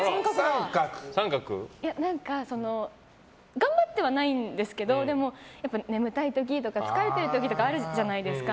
頑張ってはないんですけどでも、眠たい時とか疲れてる時とかあるじゃないですか。